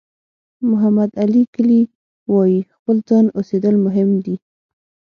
محمد علي کلي وایي خپل ځان اوسېدل مهم دي.